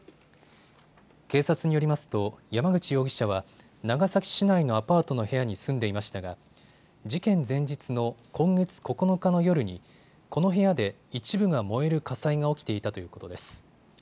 警察によりますと山口容疑者は長崎市内のアパートの部屋に住んでいましたが事件前日の今月９日の夜にこの部屋で一部が燃える火災が起きていたということです。